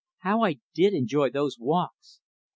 How I did enjoy those walks!